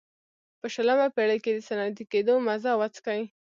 په شلمه پېړۍ کې د صنعتي کېدو مزه وڅکي.